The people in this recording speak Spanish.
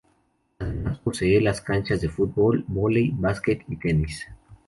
Además, posee canchas de fútbol, vóley, básquet y tenis.